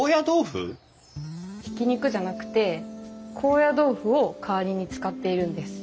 ひき肉じゃなくて高野豆腐を代わりに使っているんです。